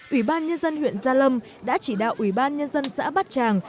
ủy ban nhân dân huyện gia lâm đã chỉ đạo ủy ban nhân dân xã bát tràng